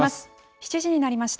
７時になりました。